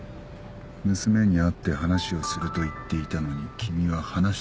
娘に会って話をすると言っていたのに君は話してない。